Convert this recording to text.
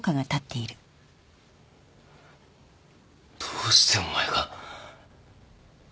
どうしてお前が